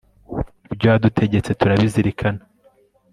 ibyo wadutegetse turabizirikana